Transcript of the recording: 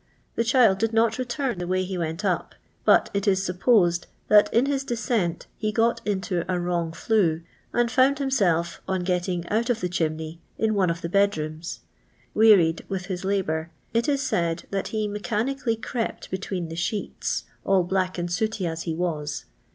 The child did not return the way he went up, but it is sup posed that in his descent he got into a wrong flue, and found himself, on getting out of the chimney, in one of the bedrooms. Wearied with his labour, it is said that he mechanically crept between the sheets, all black and sooty as he was.